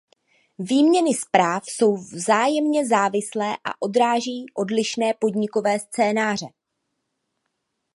Výměny zpráv jsou vzájemně závislé a odráží odlišné podnikové scénáře.